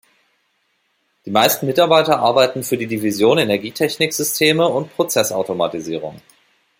Die meisten Mitarbeiter arbeiten für die Division Energietechnik-Systeme und Prozessautomatisierung.